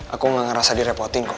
aku gak ngerasa direpoting kok